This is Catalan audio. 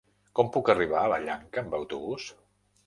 Com puc arribar a Vallanca amb autobús?